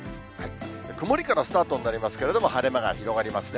曇りからスタートになりますけど、晴れ間が広がりますね。